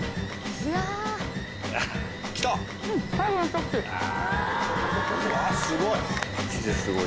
うわすごい。